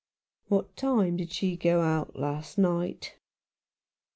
"What time did she go out last night?"